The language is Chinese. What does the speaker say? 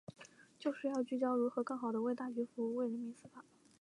就是要聚焦如何更好地为大局服务、为人民司法